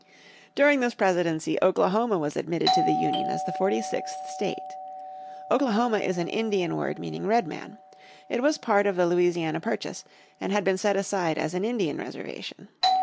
During this presidency Oklahoma was admitted to the Union as the forty sixth state. Oklahoma is an Indian word meaning Redman. It was part of the Louisiana Purchase, and had been set aside as an Indian reservation.